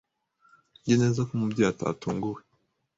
Nzi neza ko Umubyeyi atatunguwe.